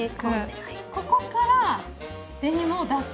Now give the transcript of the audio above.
ここからデニムを出す？